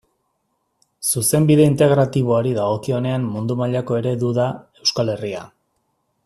Zuzenbide Integratiboari dagokionean mundu mailako eredu da Euskal Herria.